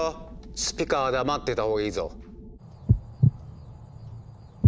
スピカは黙ってたほうがいいぞ。